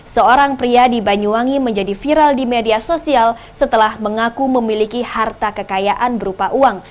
seorang pria di banyuwangi menjadi viral di media sosial setelah mengaku memiliki harta kekayaan berupa uang